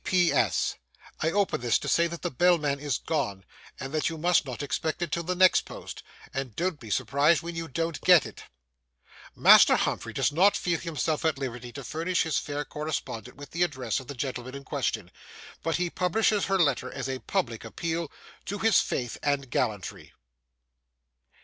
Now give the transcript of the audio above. P.P.S. I open this to say that the bellman is gone, and that you must not expect it till the next post; so don't be surprised when you don't get it. Master Humphrey does not feel himself at liberty to furnish his fair correspondent with the address of the gentleman in question, but he publishes her letter as a public appeal to his faith and gallantry.